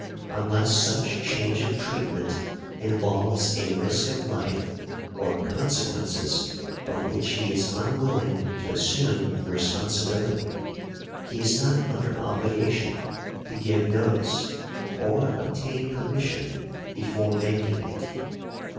Unless such change of treatment involves a risk of life or consequences of which he is unwilling to assume the responsibility, he is not under obligation to give notice or obtain permission before making it.